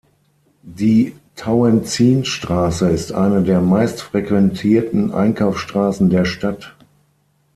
Die Tauentzienstraße ist eine der meist frequentierten Einkaufsstraßen der Stadt.